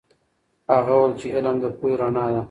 هغه وویل چې علم د پوهې رڼا ده.